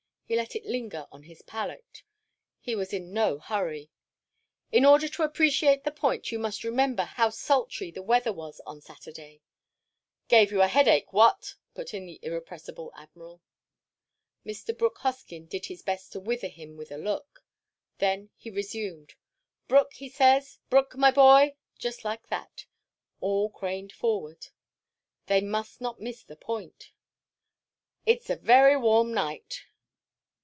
He let it linger on his palate. He was in no hurry. "In order to appreciate the point, you must remember how sultry the weather was on Saturday." "Gave you a headache, what?" put in the irrepressible Admiral. Mr. Brooke Hoskyn did his best to wither him with a look. Then he resumed. "Brooke, says he—Brooke, my boy"—just like that—all craned forward: they must not miss the point—"it's a very warm night."